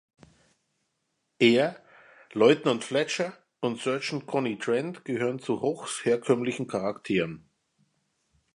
Er, Lieutenant Fletcher und Sergeant Connie Trent gehören zu Hochs herkömmlichen Charakteren.